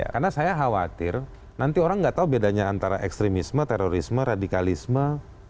karena saya khawatir nanti orang gak tahu bedanya antara ekstremisme terorisme radikalisme